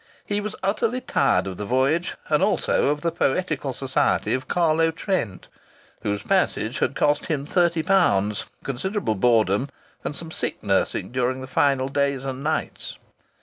He was utterly tired of the voyage, and also of the poetical society of Carlo Trent, whose passage had cost him thirty pounds, considerable boredom, and some sick nursing during the final days and nights.